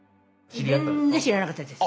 全然知らなかったです。